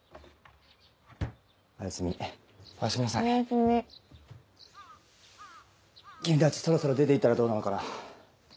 君たちそろそろ出て行ったらどうなのかな？